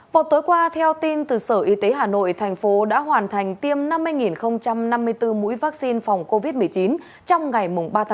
vào tối qua theo tin từ sở y tế hà nội thành phố đã hoàn thành tiêm năm mươi năm mươi bốn mũi vaccine phòng covid một mươi chín trong ngày ba tháng một mươi